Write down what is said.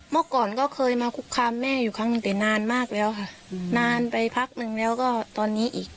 เมื่อก่อนก็เคยมาคุกคามแม่อยู่ครั้งหนึ่งแต่นานมากแล้วค่ะนานไปพักหนึ่งแล้วก็ตอนนี้อีก